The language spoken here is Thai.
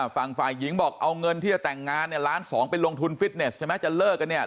ฝ่ายหญิงบอกเอาเงินที่จะแต่งงานเนี่ยล้านสองไปลงทุนฟิตเนสใช่ไหมจะเลิกกันเนี่ย